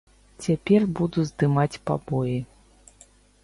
Цяпер буду здымаць пабоі.